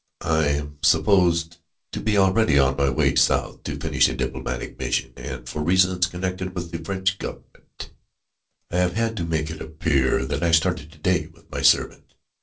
I am supposed to be already on my way south, to finish a diplomatic mission, and, for reasons connected with the French government, I have had to make it appear that I started to day with my servant.